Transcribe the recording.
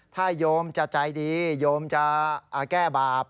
ถ้าโยมจะใจดีโยมจะแก้บาป